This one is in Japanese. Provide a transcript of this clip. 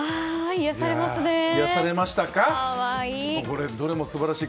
癒やされました。